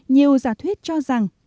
nhiều giả thuyết cho rằng